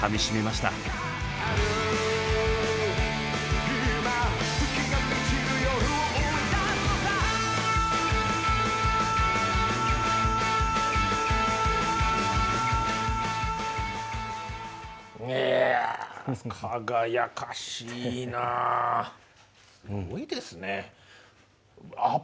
すごいですね。